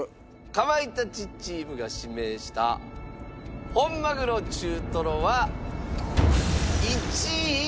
かまいたちチームが指名した本鮪中とろは１位。